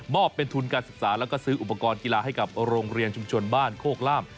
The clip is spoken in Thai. อบเป็นทุนการศึกษาแล้วก็ซื้ออุปกรณ์กีฬาให้กับโรงเรียนชุมชนบ้านโคกล่าม